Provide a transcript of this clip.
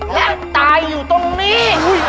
และตายอยู่ตรงนี้